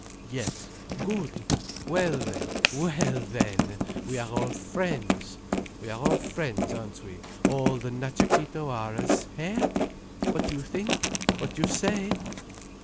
"Yes. Good! Well then! Well then! We are all friends. We are all friends, aren't we, all the Natcha Kee Tawaras? Hé? What you think? What you say?"